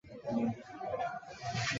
自觉学用与被动学用不一样